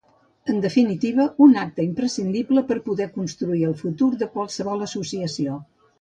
En definitiva, un acte imprescindible per a poder construir el futur de qualsevol associació.